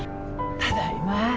ただいま。